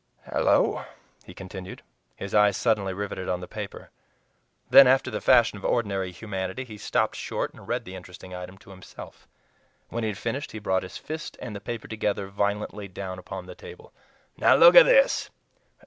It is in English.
Hallo!" he continued, his eyes suddenly riveted on the paper. Then, after the fashion of ordinary humanity, he stopped short and read the interesting item to himself. When he had finished he brought his fist and the paper, together, violently down upon the table. "Now look at this!